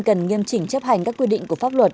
cần nghiêm chỉnh chấp hành các quy định của pháp luật